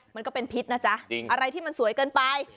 มันก็เป็นพิษนะจ๊ะอะไรที่มันสวยเกินไป